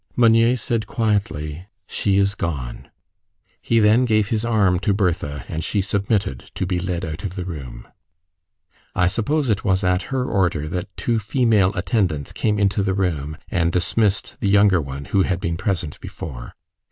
Meunier said quietly, "She is gone." He then gave his arm to Bertha, and she submitted to be led out of the room. I suppose it was at her order that two female attendants came into the room, and dismissed the younger one who had been present before.